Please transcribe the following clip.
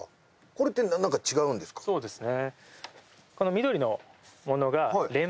そうですね。